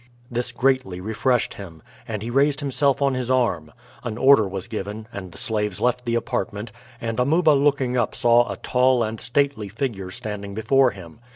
This greatly refreshed him, and he raised himself on his arm. An order was given, and the slaves left the apartment, and Amuba looking up saw a tall and stately figure standing before him.